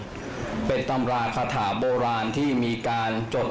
ก็เป็นเรื่องของความเชื่อความศรัทธาเป็นการสร้างขวัญและกำลังใจ